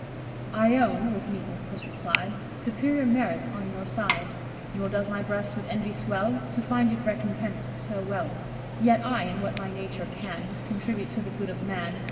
"'I own' (with meekness Puss replied) 'Superior merit on your side; Nor does my breast with envy swell To find it recompens'd so well. Yet I, in what my nature can, Contribute to the good of man.